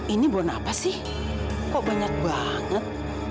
ini buat apa sih kok banyak banget